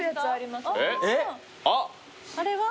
あれは？